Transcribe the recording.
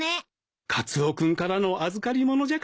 カツオ君からの預かりものじゃからな。